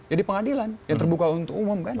jadi pengadilan yang terbuka untuk umum